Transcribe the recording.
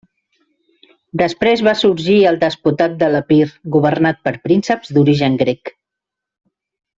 Després va sorgir el Despotat de l'Epir, governat per prínceps d'origen grec.